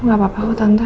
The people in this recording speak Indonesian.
gak apa apa kok tante